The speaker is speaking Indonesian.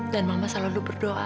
dan selalu berdoa